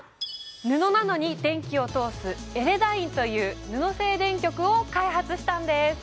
布なのに電気を通すエレダインという布製電極を開発したんです